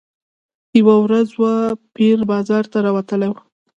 یوه ورځ وو پیر بازار ته راوتلی